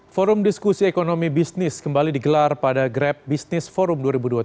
forum diskusi ekonomi bisnis kembali digelar pada grab business forum dua ribu dua puluh tiga